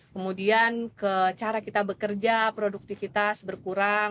kemudian cara kita bekerja produktivitas berkurang